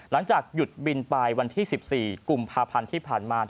หลังจากหยุดบินไปวันที่๑๔กุมภาพันธ์ที่ผ่านมา